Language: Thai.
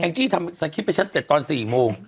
แองจี้ทำสักคิดไปฉันเต็ดตอน๔โมง